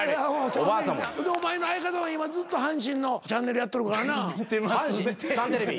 でお前の相方は今ずっと阪神のチャンネルやっとるからな。見てますね。